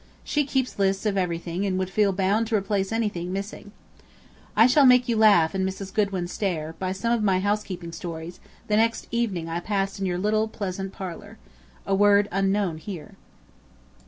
She keeps lists of everything and would feel bound to replace anything missing. I shall make you laugh and Mrs. Goodwin stare, by some of my housekeeping stories, the next evening I pass in your little pleasant parlor (a word unknown here).